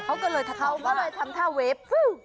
เขาก็เลยทำท่าเว็บ